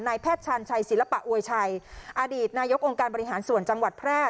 แพทย์ชาญชัยศิลปะอวยชัยอดีตนายกองค์การบริหารส่วนจังหวัดแพร่